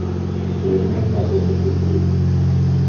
Posteriorment, va ser substituït.